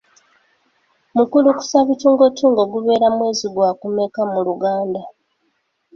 Mukulukusabitungotungo gubeera mwezi gwakumeka mu Luganda?.